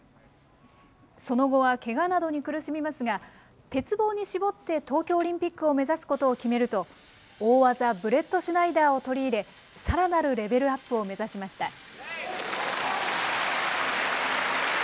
その後はけがなどに苦しみますが、鉄棒に絞って東京オリンピックを目指すことを決めると、大技、ブレットシュナイダーを取り入れ、さらなるレベルアップを目指しました。